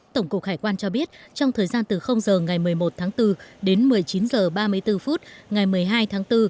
tổng cục hải quan cho biết trong thời gian từ h ngày một mươi một tháng bốn đến một mươi chín h ba mươi bốn phút ngày một mươi hai tháng bốn